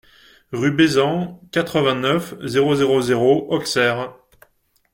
Rue Besan, quatre-vingt-neuf, zéro zéro zéro Auxerre